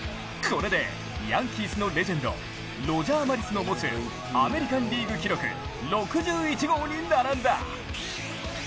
これでヤンキースのレジェンドロジャー・マリスの持つ、アメリカン・リーグ記録６１号に並んだ。